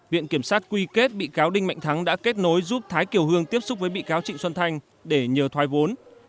viện kiểm sát quy kết bị cáo đinh mạnh thắng đã kết nối giúp thái kiều hương tiếp xúc với bị cáo trịnh xuân thanh để nhờ thoái vốn